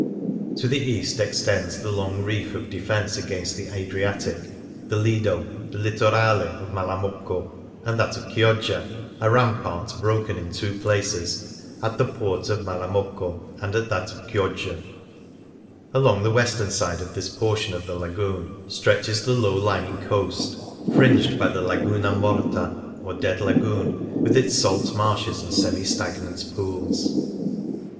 To the east extends the long reef of defence against the Adriatic, the Lido, the UUrrale of Malamocco, and that of Chioggia, a rampart broken in two places — at the port of Mala mocco, and at that of Chioggia. Along the western side of this portion of the Lagoon stretches the low lying coast, fringed by the Laguna Morta, or Dead Lagoon, with its salt marshes and semi stagnant pools.